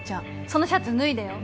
そのシャツ脱いでよ